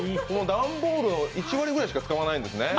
段ボールを１割ぐらいしか使わないんですね。